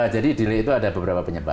jadi delay itu ada beberapa penyebab